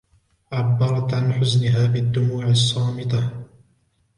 عَبّرتْ عن حزنها بالدموع الصامتة.